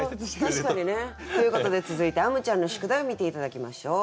確かにね。ということで続いてあむちゃんの宿題を見て頂きましょう。